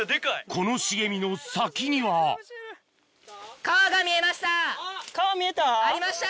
この茂みの先には川見えた？